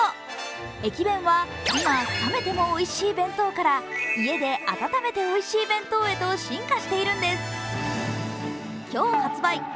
駅弁は今、冷めてもおいしい弁当から家で温めておいしい弁当へと進化しているんです。